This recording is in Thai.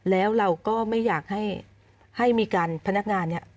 แล้วเราก็ไม่อยากให้มีการพนักงานเนี่ย